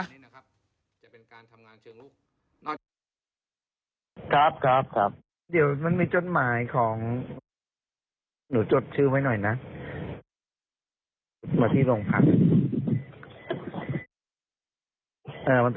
ครับครับ